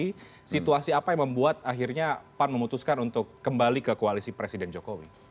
ini situasi apa yang membuat akhirnya pan memutuskan untuk kembali ke koalisi presiden jokowi